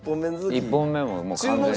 １本目ももう完全に。